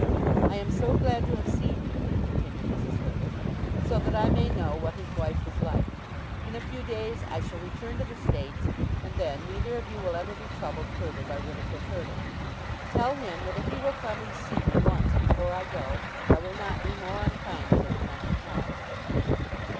"I am so glad to have seen you," continued Mrs. Hurtle, "so that I may know what his wife was like. In a few days I shall return to the States, and then neither of you will ever be troubled further by Winifrid Hurtle. Tell him that if he will come and see me once before I go, I will not be more unkind to him than I can help."